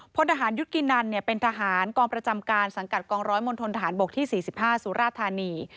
พลทหารยุทธกินันเป็นทหารกองประจำการสังกัดกองร้อยมณฑนฐานบกที่๔๕สุราธานี